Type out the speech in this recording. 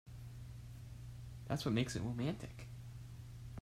That's what makes it romantic.